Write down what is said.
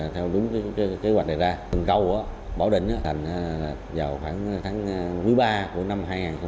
theo đúng kế hoạch này ra từng câu bảo định thành vào tháng một mươi ba năm hai nghìn hai mươi